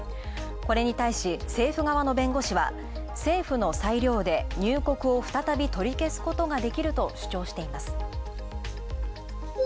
これに対し、政府側の弁護士は、政府の裁量で入国を再び取り消すことができると主張しています。